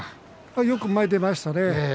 よく前に出ましたね。